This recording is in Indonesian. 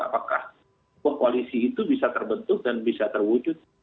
apakah koalisi itu bisa terbentuk dan bisa terwujud